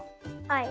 はい。